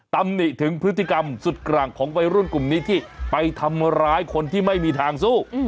ตำหนิถึงพฤติกรรมสุดกลางของวัยรุ่นกลุ่มนี้ที่ไปทำร้ายคนที่ไม่มีทางสู้